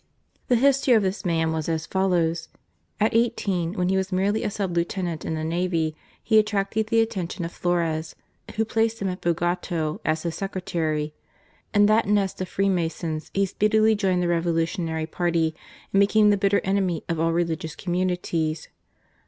The history of this man was as follows. At eighteen, when he was merely a sub lieutenant in the navy, he attracted the attention of Flores, who placed him at Bogota as his secretary. In that nest of Freemasons he speedily joined the Revolu tionary party, and became the bitter enemy of all religious communities.